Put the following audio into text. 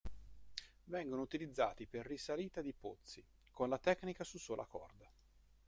Vengono utilizzati per risalita di pozzi con la tecnica su sola corda.